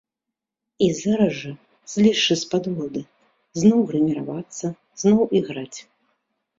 І зараз жа, злезшы з падводы, зноў грыміравацца, зноў іграць.